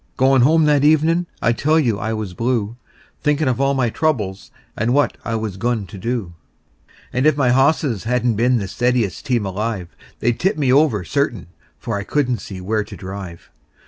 Goin' home that evenin' I tell you I was blue, Thinkin' of all my troubles, and what I was goin' to do; And if my hosses hadn't been the steadiest team alive, They'd 've tipped me over, certain, for I couldn't see where to drive.